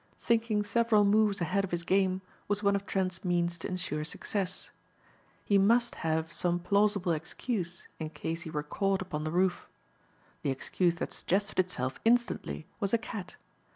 Thinking several moves ahead of his game was one of Trent's means to insure success. He must have some plausible excuse in case he were caught upon the roof. The excuse that suggested itself instantly was a cat.